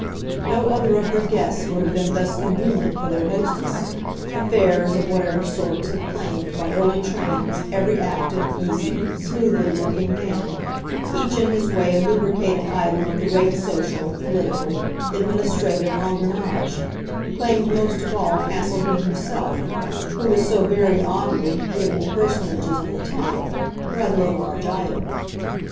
No other of her guests would have been thus convenient for their hostess; affairs, of whatever sorts, had claimed, by early trains, every active, easy, smoothly working man, each in his way a lubricated item of the great social, political, administrative engrenage claimed most of all Castledean himself, who was so very oddly, given the personage and the type, rather a large item.